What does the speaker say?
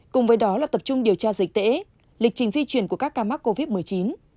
cùng với đó là tập trung điều tra dịch tễ lịch trình di chuyển của các ca mắc covid một mươi chín